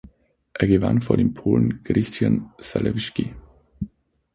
Er gewann vor dem Polen Krystian Zalewski.